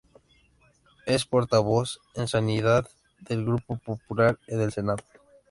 Es portavoz en Sanidad del grupo popular en el Senado.